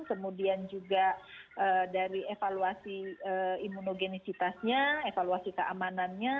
kemudian juga dari evaluasi imunogenisitasnya evaluasi keamanannya